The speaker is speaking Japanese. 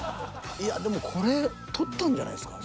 いやでもこれ獲ったんじゃないすか？